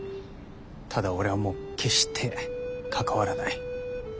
ただ俺はもう決して関わらない。